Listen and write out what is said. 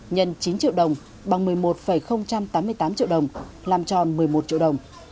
nhân chín triệu đồng bằng một mươi một tám mươi tám triệu đồng làm tròn một mươi một triệu đồng